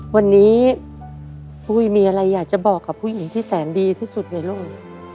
วันนี้ปุ้ยมีอะไรอยากจะบอกกับผู้หญิงที่แสนดีที่สุดในโลก